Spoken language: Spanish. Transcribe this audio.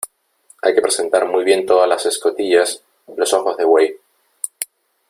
hay que presentar muy bien todas las escotillas , los ojos de buey ,